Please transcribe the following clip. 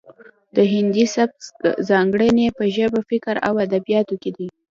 د هندي سبک ځانګړنې په ژبه فکر او ادبیاتو کې دي